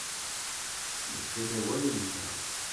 Nefka-d awal-nteɣ.